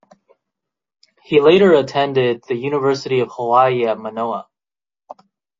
He later attended the University of Hawaii at Manoa.